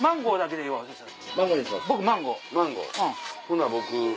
ほんなら僕